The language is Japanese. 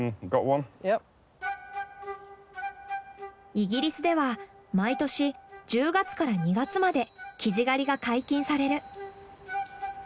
イギリスでは毎年１０月から２月までキジ狩りが解禁される。